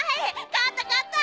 勝った勝った！